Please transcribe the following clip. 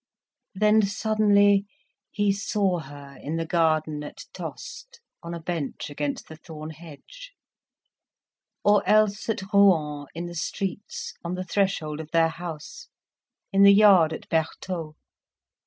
Then suddenly he saw her in the garden at Tostes, on a bench against the thorn hedge, or else at Rouen in the streets, on the threshold of their house, in the yard at Bertaux.